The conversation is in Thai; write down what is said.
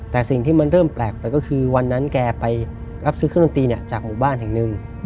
แต่สิ่งที่มันเริ่มแปลกไปก็คือวันนั้นแกไปรับซื้อเครื่องดนตรีจากหมู่บ้านแห่งหนึ่ง